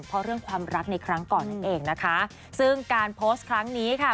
เพราะเรื่องความรักในครั้งก่อนนั่นเองนะคะซึ่งการโพสต์ครั้งนี้ค่ะ